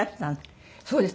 そうです。